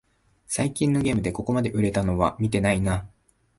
最近のゲームでここまで売れたのは見てないな